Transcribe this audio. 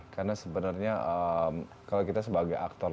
karena sebenarnya kalau kita sebagai aktor laga